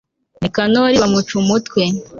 nikanori bamuca umutwe